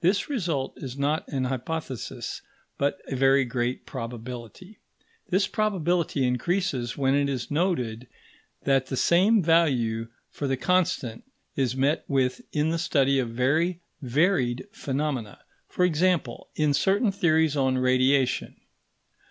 This result is not an hypothesis but a very great probability. This probability increases when it is noted that the same value for the constant is met with in the study of very varied phenomena; for example, in certain theories on radiation.